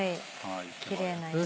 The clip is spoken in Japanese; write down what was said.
キレイな色合い。